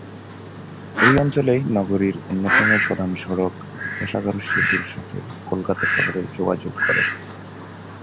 এই অঞ্চলেই নগরীর অন্যতম প্রধান সড়ক বিদ্যাসাগর সেতুর সাথে কলকাতা শহরের যোগাযোগ করে।